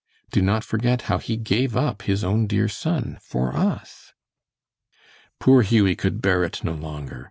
Do not forget how He gave up His own dear son for us." Poor Hughie could bear it no longer.